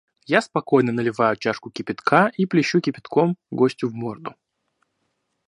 Я спокойно наливаю чашку кипятка и плещу кипятком гостю в морду.